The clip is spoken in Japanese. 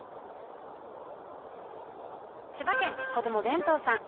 千葉県子供弁当さん。